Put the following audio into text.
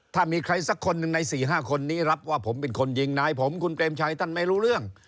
ถ้ามีใครสักคนหนึ่งใน๔๕คนนี้รับว่าผมเป็นคนยิงนายผมคุณเปรมชัยท่านไม่รู้เรื่อง